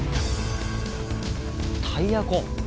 タイヤ痕！